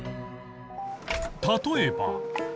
例えば